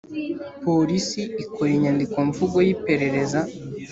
polisi ikora inyandiko mvugo y iperereza